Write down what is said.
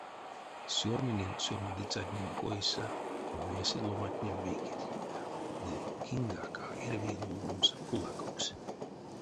Сёрминенть сёрмадыцятнень койсэ, весе ломантне вейкеть ды киньгак а эряви ловомс кулакокс.